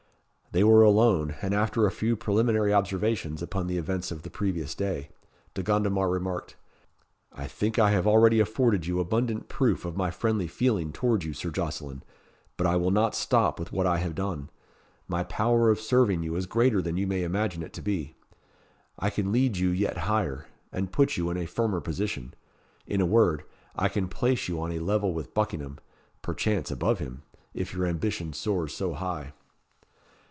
They were alone, and after a few preliminary observations upon the events of the previous day, De Gondomar remarked "I think I have already afforded you abundant proof of my friendly feeling towards you, Sir Jocelyn. But I will not stop with what I have done. My power of serving you is greater than you may imagine it to be. I can lead you yet higher and put you in a firmer position. In a word, I can place you on a level with Buckingham, perchance above him, if your ambition soars so high."